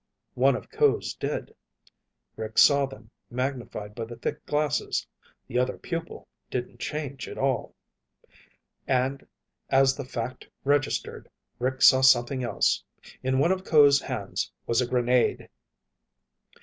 One of Ko's did. Rick saw them, magnified by the thick glasses. The other pupil didn't change at all. And as the fact registered, Rick saw something else. In one of Ko's hands was a grenade!